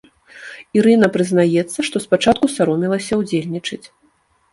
Ірына прызнаецца, што спачатку саромелася ўдзельнічаць.